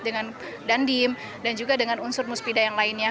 dengan dandim dan juga dengan unsur musbidah yang lainnya